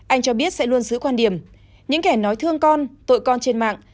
anh cho biết sẽ luôn giữ quan điểm những kẻ nói thương con tội con trên mạng